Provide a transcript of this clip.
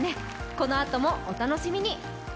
このあともお楽しみに！